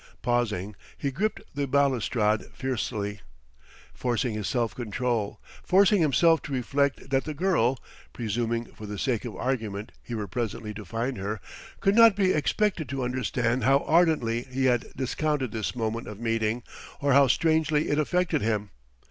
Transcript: Pausing, he gripped the balustrade fiercely, forcing his self control, forcing himself to reflect that the girl (presuming, for the sake of argument, he were presently to find her) could not be expected to understand how ardently he had discounted this moment of meeting, or how strangely it affected him.